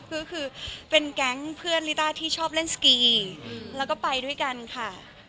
คือคือเป็นแก๊งเพื่อนลิต้าที่ชอบเล่นสกีแล้วก็ไปด้วยกันค่ะ